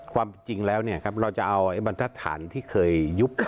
ความจริงแล้วเนี่ยครับเราจะเอาไอ้บรรทธรรมที่เคยยุบ